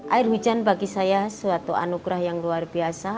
air hujan bagi saya suatu anugerah yang luar biasa